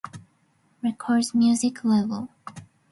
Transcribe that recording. Records music label.